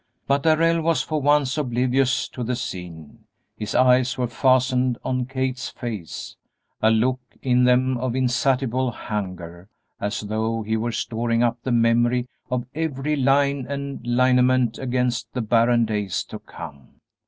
But Darrell was for once oblivious to the scene; his eyes were fastened on Kate's face, a look in them of insatiable hunger, as though he were storing up the memory of every line and lineament against the barren days to come.